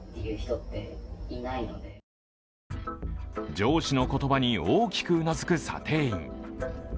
上司の言葉に大きくうなずく査定員。